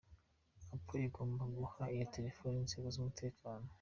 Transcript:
Apple igomba guha iyo Telefoni inzego z’umutekano.